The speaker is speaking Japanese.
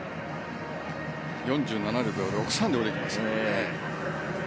４７秒６３で泳いできますね。